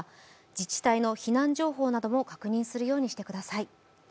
自治体の避難情報なども確認するようにしてください。